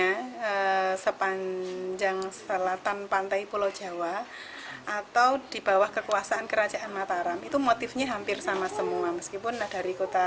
m motifnya sepanjang selatan pantai pulau jawa atau di bawah kekuasaan kerajaan mataram itu motifnya hampir sama semua